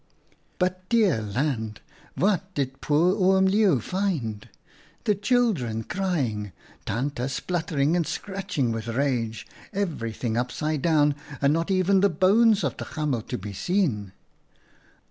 " But, dear land ! What did poor Oom Leeuw find ? The children crying, Tante spluttering and scratching with rage, every thing upside down, and not even the bones of the hamel to be seen.